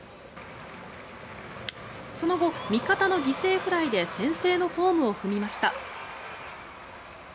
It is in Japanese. その後、味方の犠牲フライで先制のホームを踏みました。